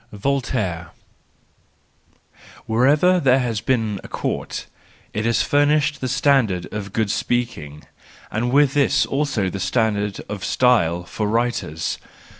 Voltaire .—Wherever there has been a court, it has furnished the standard of good speaking, and with this also the standard of style for writers.